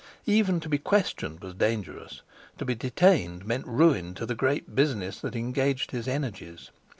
Even to be questioned was dangerous; to be detained meant ruin to the great business that engaged his energies.